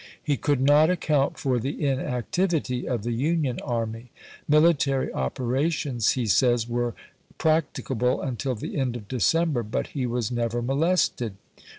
He could not account for the inactivity of the Union army. Military oper ations, he says, were practicable until the end of December ; but he was never molested.